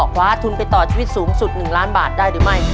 คว้าทุนไปต่อชีวิตสูงสุด๑ล้านบาทได้หรือไม่